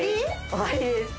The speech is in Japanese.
終わりです。